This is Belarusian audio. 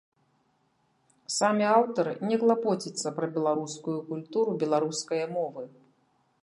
Самі аўтары не клапоцяцца пра беларускую культуру беларускае мовы.